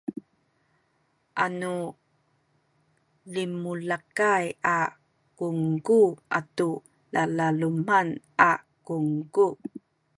anu limulakay a kungku atu kalaluman a kungku